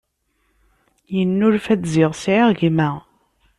Yennulfa-d ziɣ sεiɣ gma.